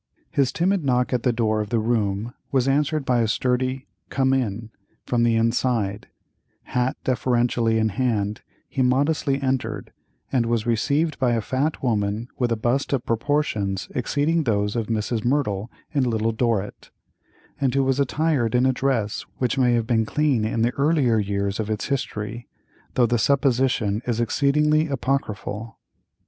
His timid knock at the door of the room was answered by a sturdy "Come in," from the inside; hat deferentially in hand he modestly entered, and was received by a fat woman with a bust of proportions exceeding those of Mrs. Merdle in "Little Dorrit," and who was attired in a dress which may have been clean in the earlier years of its history, though the supposition is exceedingly apocryphal.